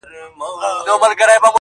دا مي سمنډوله ده، برخه مي لا نوره ده.